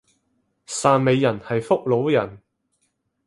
汕尾人係福佬人